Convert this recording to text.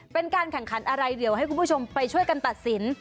เป็นการแข่งขันอะไรเดี๋ยวให้คุณผู้ชมไปช่วยกันตัดสิน